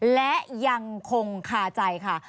และยังคงคาใจค่ะ